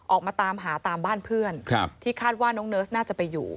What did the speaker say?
ออกมาตามหาตามบ้านเพื่อนที่คาดว่าน้องเนิร์สน่าจะไปอยู่